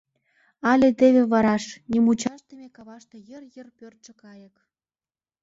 — Але теве вараш, нимучашдыме каваште йыр-йыр пӧрдшӧ кайык.